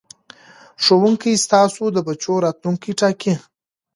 ښوونکو ستاسو د بچو راتلوونکی ټاکي.